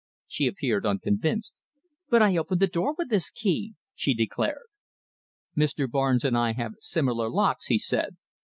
She appeared unconvinced. "But I opened the door with this key," she declared. "Mr. Barnes and I have similar locks," he said.